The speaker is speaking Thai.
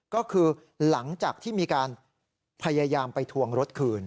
ก็คือหลังจากที่มีการพยายามไปทวงรถคืน